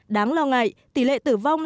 đáng lo ngại tỷ lệ tử vong